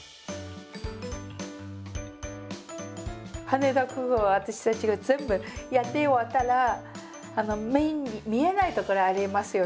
羽田空港は私たちが全部やって終わったら目に見えない所ありますよね